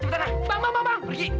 cepetan lah bang bang bang bang